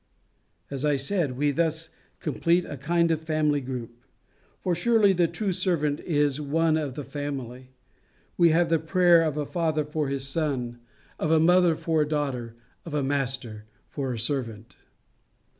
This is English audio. As I said, we thus complete a kind of family group, for surely the true servant is one of the family: we have the prayer of a father for a son, of a mother for a daughter, of a master for a servant.